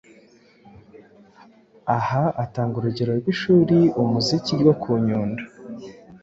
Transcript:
Aha atanga urugero rw'ishuri umuziki ryo ku Nyundo,